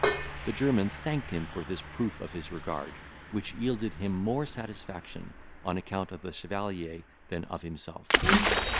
The German thanked him for this proof of his regard, which yielded him more satisfaction on account of the chevalier than of himself.